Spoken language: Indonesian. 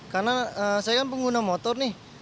karena saya kan pengguna motor nih